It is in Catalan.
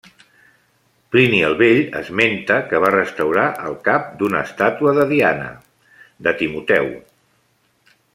Plini el Vell esmenta que va restaurar el cap d'una estàtua de Diana de Timoteu.